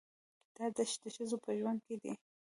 دا دښتې د ښځو په ژوند کې دي.